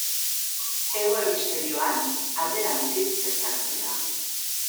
Hego Hemisferioan alderantziz gertatzen da.